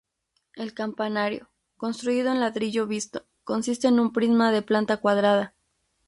El campanario, construido en ladrillo visto, consiste en un prisma de planta cuadrada.